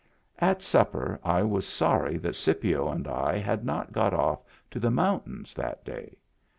At supper I was sorry that Scipio and I had not got off to the mountains that day.